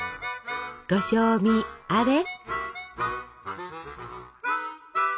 ご賞味あれ。